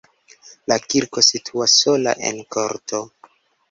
La kirko situas sola en korto.